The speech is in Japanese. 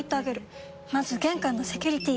まず玄関のセキュリティ！